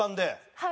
はい。